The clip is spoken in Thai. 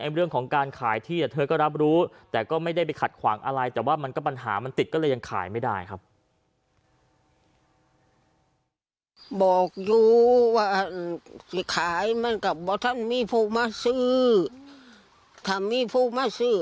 บอกอยู่ว่าสิขายมันก็บอกท่านมีผู้มาซื้อท่านมีผู้มาซื้อ